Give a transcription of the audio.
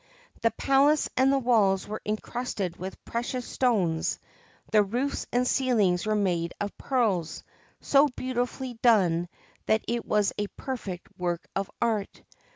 The palace and the walls were encrusted with precious stones, the roofs and ceilings were made of pearls, so beautifully done that it was a perfect work of art.